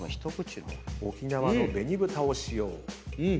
沖縄の紅豚を使用。